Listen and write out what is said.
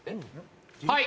はい！